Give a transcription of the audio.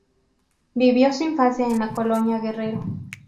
Vivió su infancia en la Colonia Guerrero.